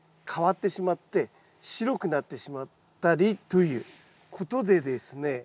変わってしまって白くなってしまったりということでですね